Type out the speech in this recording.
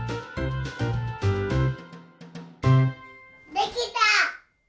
できた！